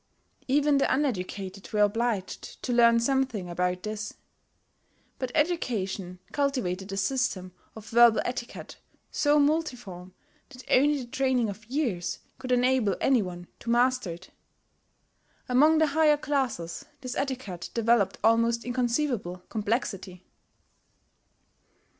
Even the uneducated were obliged to learn something about this. But education cultivated a system of verbal etiquette so multiform that only the training of years could enable any one to master it. Among the higher classes this etiquette developed almost inconceivable complexity.